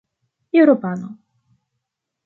eŭropano